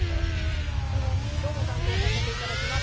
きょうも担当させていただきます